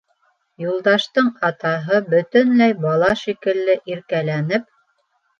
Юлдаштың атаһы, бөтөнләй бала шикелле иркәләнеп: